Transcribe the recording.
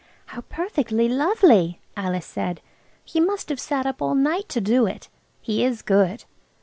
"How perfectly lovely!" Alice said; "he must have sat up all night to do it. He is good.